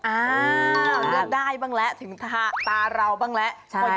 เลือกได้บ้างแล้วถึงตาเราบ้างแล้ว